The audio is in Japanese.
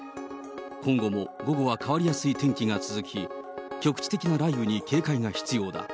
今後も午後は変わりやすい天気が続き、局地的な雷雨に警戒が必要だ。